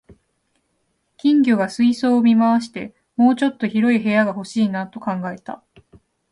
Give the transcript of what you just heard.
金魚が水槽を見回して、「もうちょっと広い部屋が欲しいな」と考えた